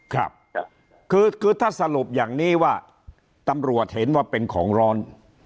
ครับคือถ้าสรุปอย่างนี้ว่าตำรวจเห็นว่าเป็นของร้อน